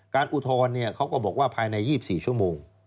อุทธรณ์เขาก็บอกว่าภายใน๒๔ชั่วโมง